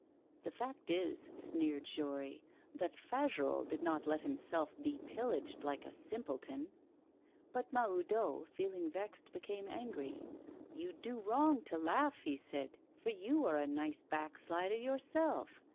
'The fact is,' sneered Jory, 'that Fagerolles did not let himself be pillaged like a simpleton.' But Mahoudeau, feeling vexed, became angry. 'You do wrong to laugh,' he said, 'for you are a nice backslider yourself.